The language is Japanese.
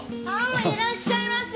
いらっしゃいませ！